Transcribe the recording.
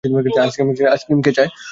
Ice cream কে চায়?